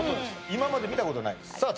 今まで見たことないですさあ